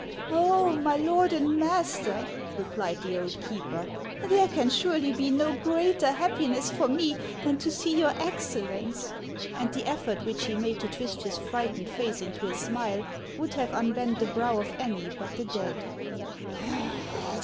" Oh, my lord and master !" replied the old keeper, " there can surely be no greater happiness for me than to see your Excellence." And the effort which he made to twist his frightened face into a smile would have unbent the brow of any but the dead.